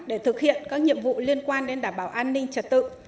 để thực hiện các nhiệm vụ liên quan đến đảm bảo an ninh trật tự